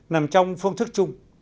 nằm trong phương thức chung